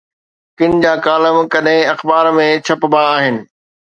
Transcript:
ڪن جا ڪالم ڪڏهن اخبار ۾ ڇپبا آهن.